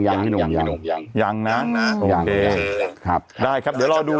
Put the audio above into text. ได้ครับเดี๋ยวรอดู